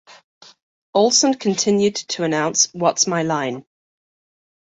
Olson continued to announce What's My Line?